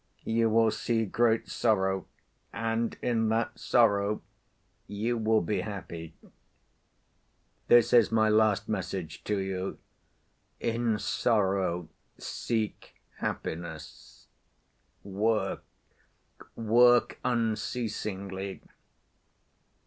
You will see great sorrow, and in that sorrow you will be happy. This is my last message to you: in sorrow seek happiness. Work, work unceasingly.